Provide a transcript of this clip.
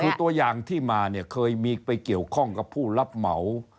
คือตัวอย่างที่มาเนี่ยเคยมีไปเกี่ยวข้องกับผู้รับเหมา